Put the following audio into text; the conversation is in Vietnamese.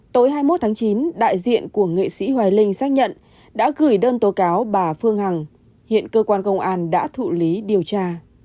tối hai mươi một tháng chín đại diện của nghệ sĩ hoài linh xác nhận đã gửi đơn tố cáo bà phương hằng hiện cơ quan công an đã thụ lý điều tra